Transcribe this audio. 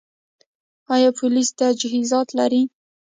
آیا پولیس تجهیزات لري؟